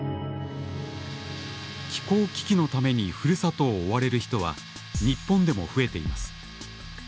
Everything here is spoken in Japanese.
気候危機のために故郷を追われる人は日本でも増えています。